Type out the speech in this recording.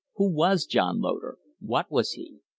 Who was John Loder? What was he?